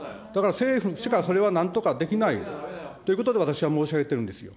、政府しかそれはなんとかできないということで、私は申し上げてるんですよ。